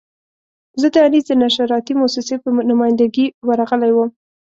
زه د انیس د نشراتي مؤسسې په نماینده ګي ورغلی وم.